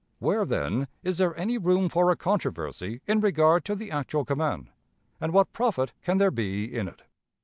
Where, then, is there any room for a controversy in regard to the actual command, and what profit can there be in it?